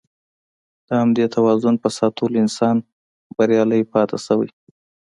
د همدې توازن په ساتلو انسان بریالی پاتې شوی.